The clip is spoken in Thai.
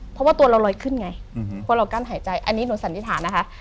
เพราะว่าตัวเราลอยขึ้นไงเพราะเรากั้นหายใจอันนี้หนูสันนิษฐานนะคะ